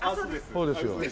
そうですよ。